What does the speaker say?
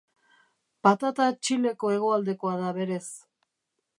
Patata Txileko hegoaldekoa da berez.